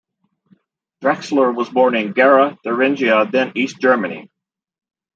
Drechsler was born in Gera, Thuringia, then East Germany.